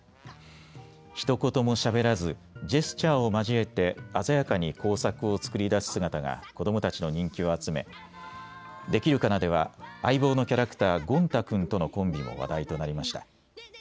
ひと言もしゃべらずジェスチャーを交えて鮮やかに工作を作り出す姿が子どもたちの人気を集め、できるかなでは相棒のキャラクター、ゴン太くんとのコンビも話題となりました。